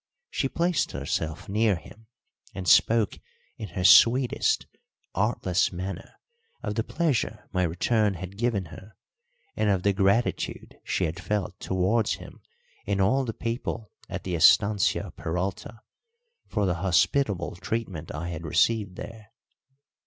She placed herself near him and spoke in her sweetest, artless manner of the pleasure my return had given her, and of the gratitude she had felt towards him and all the people at the estancia Peralta for the hospitable treatment I had received there.